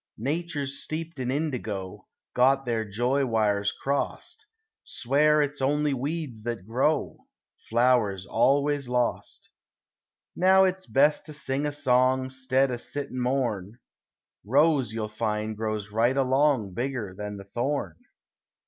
Natures steeped in indigo; Got their joy wires crossed; Swear it's only weeds that grow; Flowers always lost. Now it's best to sing a song 'Stead o' sit and mourn; Rose you'll find grows right along Bigger than the thorn.